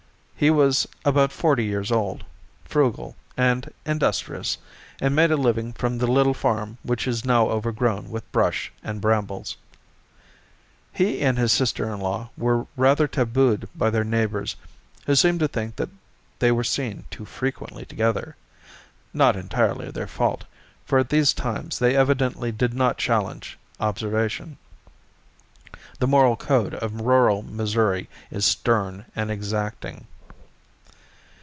He was about forty years old, frugal and industrious, and made a living from the little farm which is now overgrown with brush and brambles. He and his sister in law were rather tabooed by their neighbors, who seemed to think that they were seen too frequently together—not entirely their fault, for at these times they evidently did not challenge observation. The moral code of rural Missouri is stern and exacting.